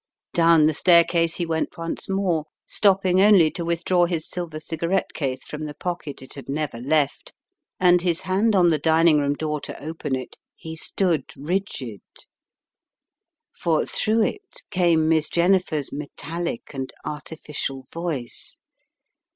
Down the staircase he went once more, stopping only to withdraw his silver cigarette case from the pocket it had never left, and his hand on the dining, room door to open it, he stood rigid, for through it came Miss Jennifer's metallic and artificial voice.